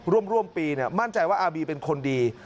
ร่วมปีมั่นใจว่าอาบีเป็นคนดี